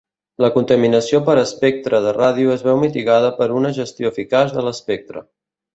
La contaminació per espectre de ràdio es veu mitigada per una gestió eficaç de l'espectre.